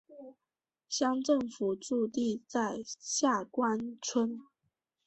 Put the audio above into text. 乡政府驻地在下宫村。